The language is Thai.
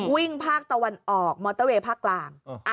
ภาคตะวันออกมอเตอร์เวย์ภาคกลาง